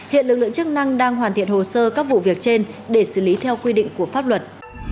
hiện lực lượng chức năng đang hoàn thiện hồ sơ các vụ việc trên để xử lý theo quy định của pháp luật